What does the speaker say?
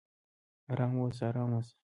"ارام اوسه! ارام اوسه!"